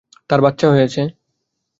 তার বাচ্চা হয়েছে।